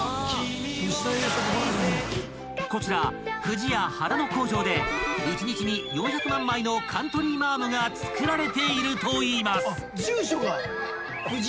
［こちら不二家秦野工場で一日に４００万枚のカントリーマアムが作られているといいます］